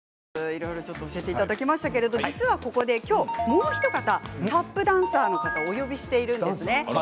いろいろ教えていただきましたが実は、ここで、もうひと方タップダンサーの方をお呼びしているんですね。